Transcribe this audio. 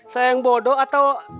saya yang bodoh atau